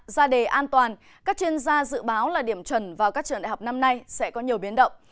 ra đề an toàn các chuyên gia dự báo là điểm chuẩn vào các trường đại học năm nay sẽ có nhiều biến động